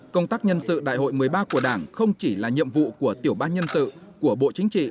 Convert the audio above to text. công tác nhân sự đại hội một mươi ba của đảng không chỉ là nhiệm vụ của tiểu ban nhân sự của bộ chính trị